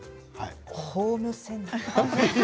ホームセンター